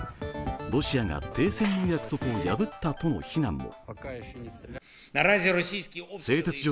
ロシアが停戦の約束を破ったとの非難も。